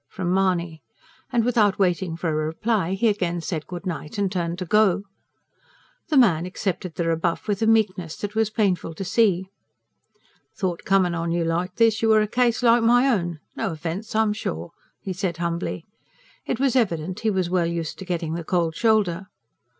from Mahony. And without waiting for a reply he again said good night and turned to go. The man accepted the rebuff with a meekness that was painful to see. "Thought, comin' on you like this, you were a case like my own. No offence, I'm sure," he said humbly. It was evident he was well used to getting the cold shoulder.